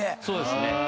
そうですね。